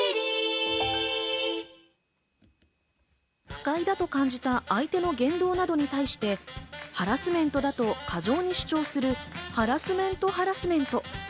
不快だと感じた相手の言動などに対してハラスメントだと過剰に主張するハラスメント・ハラスメント。